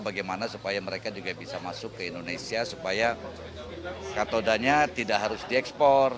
bagaimana supaya mereka juga bisa masuk ke indonesia supaya katodanya tidak harus diekspor